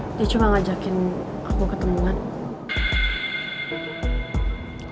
ee dia cuma ngajakin aku ketemuan